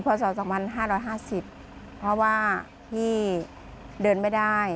ศ๒๕๕๐เพราะว่าพี่เดินไม่ได้